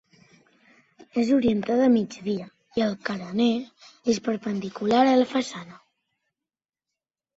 És orientada a migdia i el carener és perpendicular a la façana.